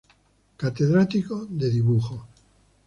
Catedrático de Dibujo.